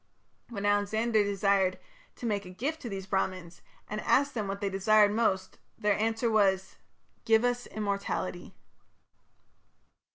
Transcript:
'" When Alexander desired to make a gift to these Brahmans, and asked them what they desired most, their answer was, "Give us immortality".